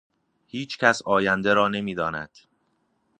هیچکس آینده را نمیداند.